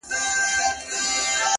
ویل کيږي چي کارګه ډېر زیات هوښیار دی-